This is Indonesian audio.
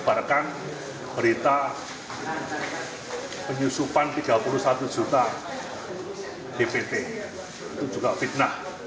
berita penyusupan tiga puluh satu juta dpt itu juga fitnah